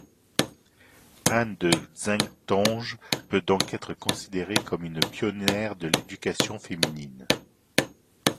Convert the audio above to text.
Anne de Xainctonge peut donc être considérée comme une pionnière de l’éducation féminine.